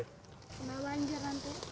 kena banjir nanti